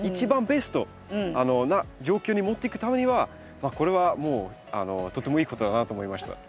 ベストな状況に持っていくためにはこれはもうとてもいいことだなと思いました。